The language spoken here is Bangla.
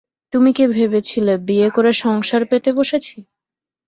তুমি কি ভেবেছিলে বিয়ে করে, সংসার পেতে বসেছি?